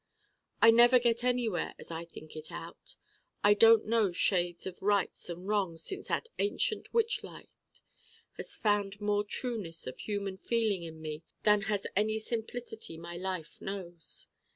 I never get anywhere as I think it out. I don't know shades of rights and wrongs since that ancient witch light has found more trueness of human feeling in me than has any simplicity my life knows.